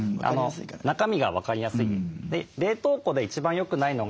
中身が分かりやすい。